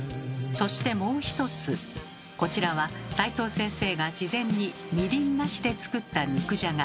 そしてもう一つこちらは斉藤先生が事前にみりんなしで作った肉じゃが。